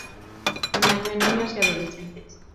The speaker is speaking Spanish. Un año en niños y adolescentes.